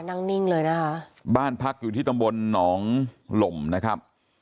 นิ่งเลยนะคะบ้านพักอยู่ที่ตำบลหนองหล่มนะครับ